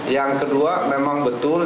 yang kedua memang betul